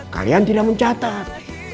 kalian tidak mencatat